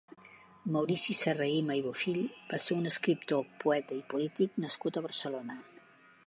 Maurici Serrahima i Bofill va ser un escriptor, poeta i polític nascut a Barcelona.